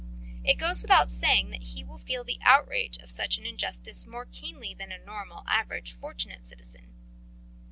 It goes without saying that he will feel the outrage of such an injustice more keenly than a normal, average, fortunate citizen.